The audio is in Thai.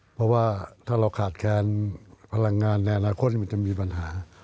เพราะว่าถ้าเราขาดแคลนพลังงานในอนาคตมันจะมีปัญหา